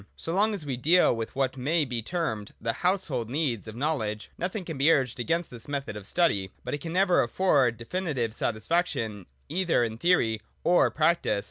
So long as we deal with what may be termed the household needs of knowledge, nothing can be urged against this method of study. But it can never afford definitive satisfaction, either in theory or practice.